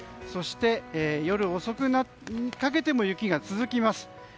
そして、夜遅くにかけても雪が続きます。